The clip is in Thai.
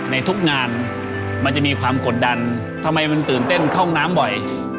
ในทุกงานมันจะมีความกดดันทำไมมันตื่นเต้นเข้าน้ำบ่อย